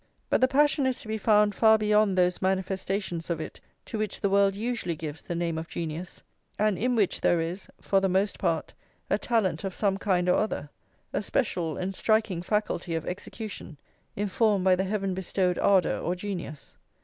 But the passion is to be found far beyond those manifestations of it to which the world usually gives the name of genius, and in which there is, for the most part, a talent of some kind or other, a special and striking faculty of execution, informed by the heaven bestowed ardour, or genius.